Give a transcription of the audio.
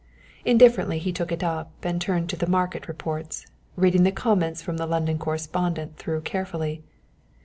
Indifferently he took it up and turned to the market reports, reading the comments from the London correspondent through carefully.